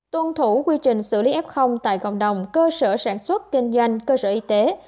tuân thủ quy trình xử lý f tại cộng đồng cơ sở sản xuất kinh doanh cơ sở y tế